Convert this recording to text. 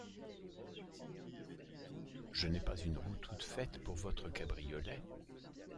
Je n’ai pas une roue toute faite pour votre cabriolet.